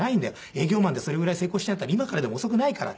「営業マンでそれぐらい成功してるんだったら今からでも遅くないから」。